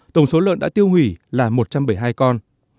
tổng số lợn đã tiêu hủy là một trăm bảy mươi hai con